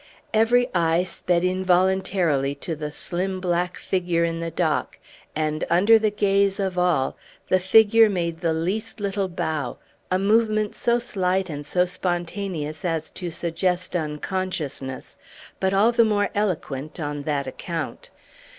Every eye sped involuntarily to the slim black figure in the dock; and, under the gaze of all, the figure made the least little bow a movement so slight and so spontaneous as to suggest unconsciousness, but all the more eloquent on that account.